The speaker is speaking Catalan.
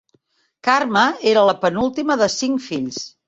Carme era la penúltima de cinc fills.